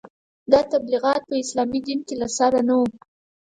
دا تبلیغات په اسلامي دین کې له سره نه وو.